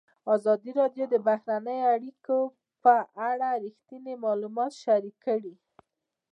ازادي راډیو د بهرنۍ اړیکې په اړه رښتیني معلومات شریک کړي.